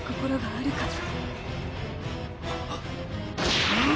あっ！